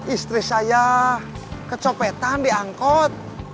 istri saya kecopetan di angkut